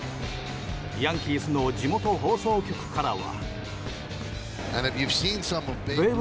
ヤンキースの地元放送局からは。